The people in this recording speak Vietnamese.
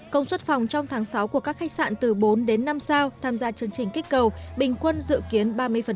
công suất phòng trong tháng sáu của các khách sạn từ bốn đến năm sao tham gia chương trình kích cầu bình quân dự kiến ba mươi